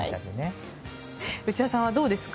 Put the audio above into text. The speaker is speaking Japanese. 内田さんはどうですか？